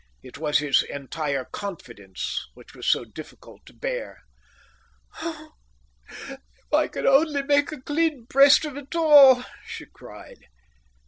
It was his entire confidence which was so difficult to bear. "Oh, if I could only make a clean breast of it all," she cried.